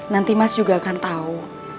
nanti mas juga akan tahu